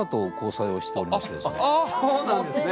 そうなんですね。